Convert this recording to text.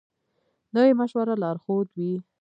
نوی مشوره لارښود وي